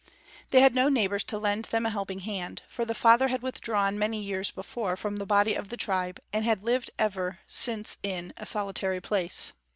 They had no neighbors to lend them a helping hand, for the father had withdrawn many years before from the body of the tribe and had lived ever since in a solitary place.